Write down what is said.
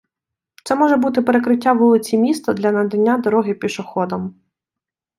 Це може бути перекриття вулиці міста для надання дороги пішоходам.